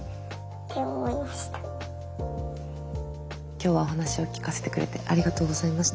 今日はお話を聞かせてくれてありがとうございました。